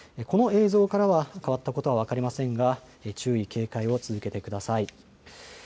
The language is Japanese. この映像からは変わったことは分かりませんが注意警戒を続けてください。